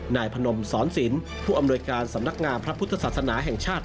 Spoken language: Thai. นายพนมสอนศิลป์ผู้อำนวยการสำนักงามพระพุทธศาสนาแห่งชาติ